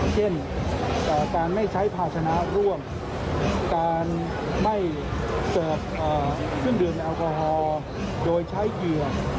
เช่นการไม่ใช้ภาชนะร่วมการไม่เสิร์ฟเครื่องดื่มแอลกอฮอล์โดยใช้เหยื่อ